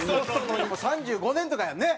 ３５年とかやんね？